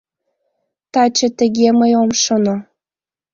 Таче тыге мый ом шоно.